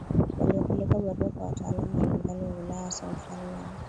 waliopeleka barua kwa watawala mbalimbali wa Ulaya hasa mfalme wa